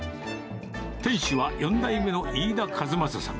店主は４代目の飯田一雅さん。